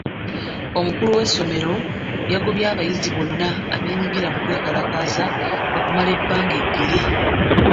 Omukulu w'essomero yagobye abayizi bonna abeenyigira kwekalakaasa okumala ebbanga eggere.